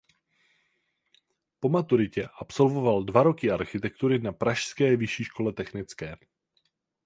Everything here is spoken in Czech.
Po maturitě absolvoval dva roky architektury na pražské vyšší škole technické.